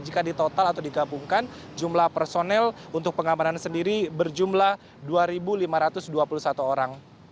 jika ditotal atau digabungkan jumlah personel untuk pengamanan sendiri berjumlah dua lima ratus dua puluh satu orang